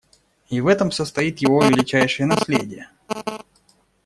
И в этом состоит его величайшее наследие.